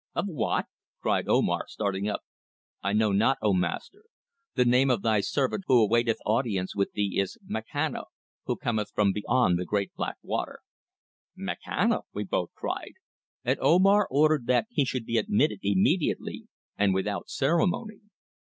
"Of what?" cried Omar, starting up. "I know not, O Master. The name of thy servant who awaiteth audience with thee is Makhana, who cometh from beyond the great black water." "Makhana!" we both cried, and Omar ordered that he should be admitted immediately, and without ceremony.